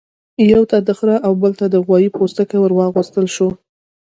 یوه ته د خرۀ او بل ته د غوايي پوستکی ورواغوستل شو.